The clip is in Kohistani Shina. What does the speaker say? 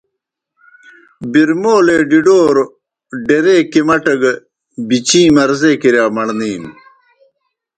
برمولے ڈِڈَوروْ ڈیرے کِمٹہ گہ بِچِیں مرضے کِرِیا مڑنینوْ۔